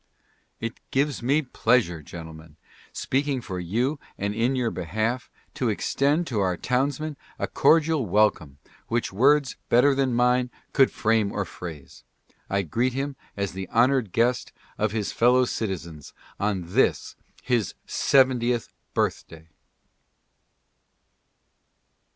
It gives me pleasure, gentlemen, speaking for you and in your behalf, to ex tend to our townsman a cordial welcome, which words better (21) 22 ADDRESSES. than mine could frame or phrase. I greet him as the honored guest of his fellow citizens on this his seventieth birthday.